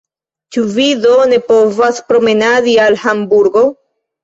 Ĉu vi do ne povas promenadi al Hamburgo?